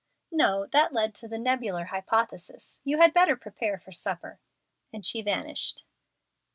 "No, that led to the 'Nebular Hypothesis.' You had better prepare for supper;" and she vanished.